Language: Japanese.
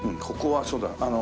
ここはそうだ。